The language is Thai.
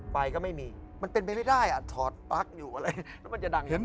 ไฟก็ไม่มีมันเป็นไปไม่ได้อ่ะถอดปลั๊กอยู่อะไรแล้วมันจะดังขึ้น